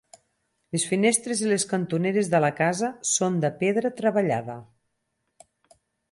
Les finestres i les cantoneres de la casa són de pedra treballada.